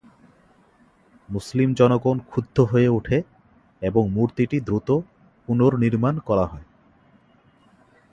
মুসলিম জনগণ ক্ষুব্ধ হয়ে ওঠে এবং মূর্তিটি দ্রুত পুনঃনির্মাণ করা হয়।